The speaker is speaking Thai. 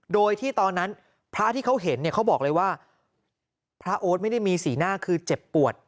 โดยที่ตอนนั้นพระที่เขาเห็นเนี่ยเขาบอกเลยว่าพระโอ๊ตไม่ได้มีสีหน้าคือเจ็บปวด